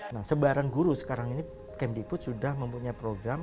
nah sebaran guru sekarang ini kemdikbud sudah mempunyai program